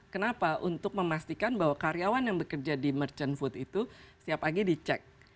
kenapa untuk memastikan bahwa karyawan yang bekerja di merchant food itu setiap pagi dicek